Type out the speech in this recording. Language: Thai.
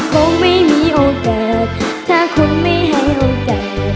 คงไม่มีโอกาสถ้าคุณไม่ให้เอาไกล